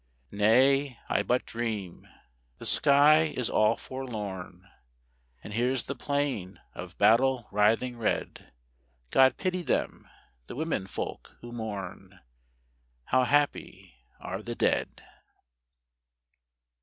Nay, I but dream. The sky is all forlorn, And there's the plain of battle writhing red: God pity them, the women folk who mourn! How happy are the dead!